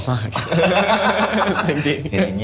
เท่าจริง